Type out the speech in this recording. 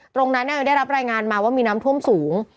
ตรงนั้นได้รับรายงานมาว่ามีน้ำท่วมสูง